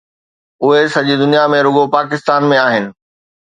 اهي سڄي دنيا ۾ رڳو پاڪستان ۾ آهن.